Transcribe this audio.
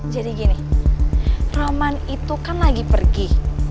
jadi gini roman itu kan lagi pergi